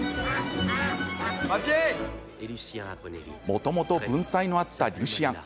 もともと文才のあったリュシアン。